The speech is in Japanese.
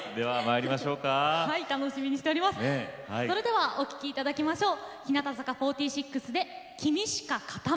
それではお聴きいただきましょう。